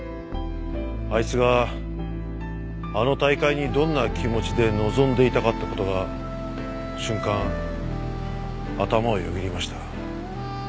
あいつがあの大会にどんな気持ちで臨んでいたかって事が瞬間頭をよぎりました。